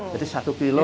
jadi satu kilo